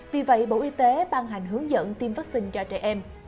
vì vậy bộ y tế ban hành hướng dẫn tiêm vaccine cho trẻ em